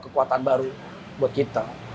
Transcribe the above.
kekuatan baru buat kita